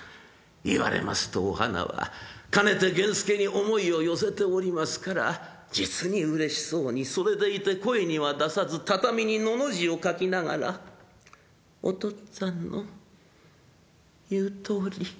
言われますとお花はかねて源助に思いを寄せておりますから実にうれしそうにそれでいて声には出さず畳に「の」の字を書きながら「お父っつぁんの言うとおり」。